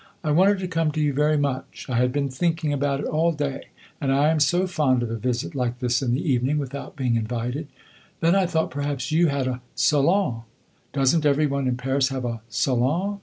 I wanted to come to you very much; I had been thinking about it all day; and I am so fond of a visit like this in the evening, without being invited. Then I thought perhaps you had a salon does n't every one in Paris have a salon?